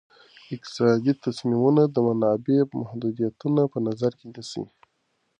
اقتصادي تصمیمونه د منابعو محدودیتونه په نظر کې نیسي.